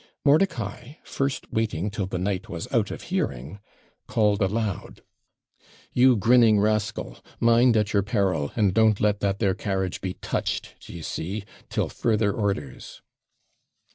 Mordicai, first waiting till the knight was out of hearing, called aloud 'You grinning rascal! mind, at your peril, and don't let that there carriage be touched, d'ye see, till further orders.'